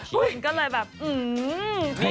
คุณก็เลยแบบอืมโทษมาก